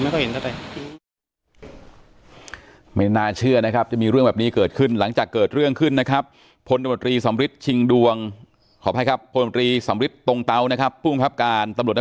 ไม่เข้าใจครับไม่ข้าวใจเขามีบัญหาอะไรไหมโอ้โหถึงว่ามัน